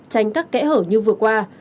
tránh các kẽ hở như vừa qua